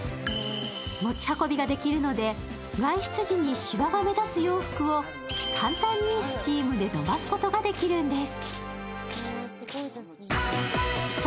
持ち運びができるので外出時のしわが目立つ洋服を簡単にスチームで伸ばすことができるんです。